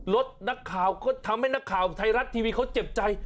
รถนักข่าวก็ทำให้นักข่าวไทยรัฐทีวีเขาเจ็บใจ